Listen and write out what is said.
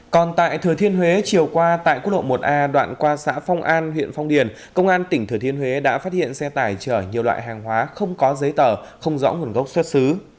còn tại thừa thiên huế chiều qua tại quốc lộ một a đoạn qua xã phong an huyện phong điền công an tỉnh thừa thiên huế đã phát hiện xe tải chở nhiều loại hàng hóa không có giấy tờ không rõ nguồn gốc xuất xứ